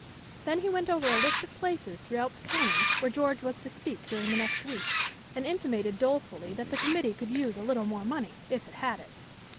Then he went over a list of places throughout the county where George was to speak during the next week, and intimated dolefully that the committee could use a little more money, if it had it.